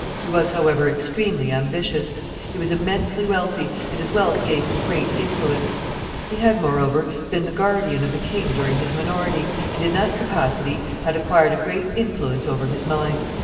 He was, however, extremely ambitious. He was immensely wealthy, and his wealth gave him great influence. He had, moreover, been the guardian of the king during his minority, and in that capacity had acquired a great influence over his mind.